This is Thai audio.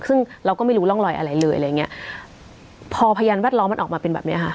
ซึ่งเราก็ไม่รู้ร่องรอยอะไรเลยอะไรอย่างเงี้ยพอพยานแวดล้อมมันออกมาเป็นแบบเนี้ยค่ะ